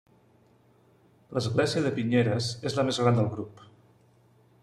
L'església de Pinyeres és la més gran del grup.